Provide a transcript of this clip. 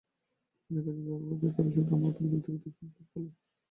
যে কয়জন গ্রাহক হয়েছে, তারা শুধু আমার প্রতি ব্যক্তিগত শ্রদ্ধার ফলে।